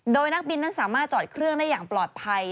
โดยนักบินนั้นสามารถจอดเครื่องได้อย่างปลอดภัย